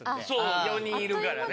４人いるからね。